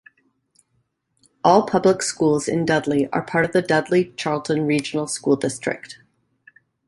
All public schools in Dudley are part of the Dudley-Charlton Regional School District.